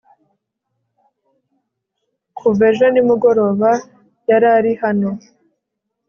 kuva ejo nimugoroba yarari hano